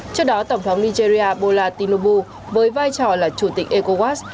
trước đó tổng thống nigeria bola tinobu với vai trò là chủ tịch ecowas